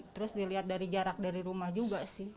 terus dilihat dari jarak dari rumah juga sih